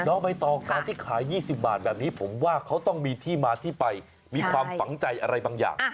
ใบตองการที่ขาย๒๐บาทแบบนี้ผมว่าเขาต้องมีที่มาที่ไปมีความฝังใจอะไรบางอย่าง